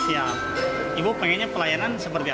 ya ibu pengennya pelayanan seperti apa